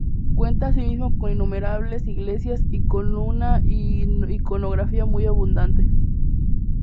Cuenta asimismo con innumerables iglesias y con una iconografía muy abundante.